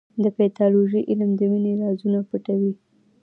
د پیتالوژي علم د وینې رازونه پټوي.